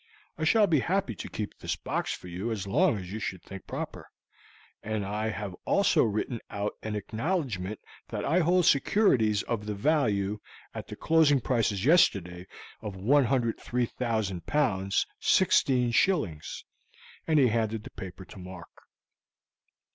I shall be happy to keep this box for you as long as you should think proper; and I have also written out an acknowledgement that I hold securities of the value, at the closing prices yesterday, of 103,000 pounds 16 shillings," and he handed the paper to Mark.